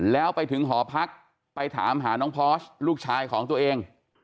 แล้วไปถึงหอพักไปถามหาน้องพอสลูกชายของตัวเอง